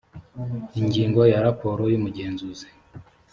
ingingo ya raporo y umugenzuzi